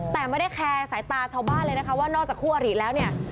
แต่ไม่ได้แคร์สายตาชาวบ้านเลยนะคะว่านอกจากคู่อริแล้วเนี่ย